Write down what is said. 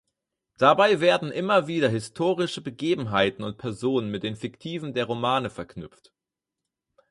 Dabei werden immer wieder historische Begebenheiten und Personen mit den fiktiven der Romane verknüpft.